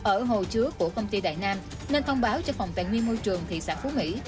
ở hồ chứa của công ty đại nam nên thông báo cho phòng tài nguyên môi trường thị xã phú mỹ